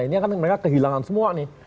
ini kan mereka kehilangan semua nih